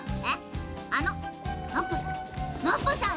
あのノッポさん。